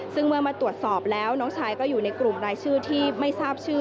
ซึ่งเมื่อมาตรวจสอบแล้วน้องชายก็อยู่ในกลุ่มรายชื่อที่ไม่ทราบชื่อ